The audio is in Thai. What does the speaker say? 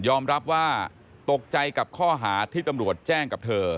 รับว่าตกใจกับข้อหาที่ตำรวจแจ้งกับเธอ